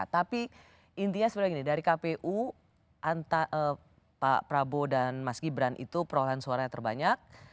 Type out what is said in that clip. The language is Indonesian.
tapi intinya sebenarnya gini dari kpu pak prabowo dan mas gibran itu perolehan suaranya terbanyak